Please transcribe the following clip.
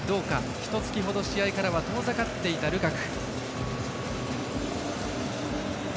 ひとつきほど試合からは遠ざかっていたルカク。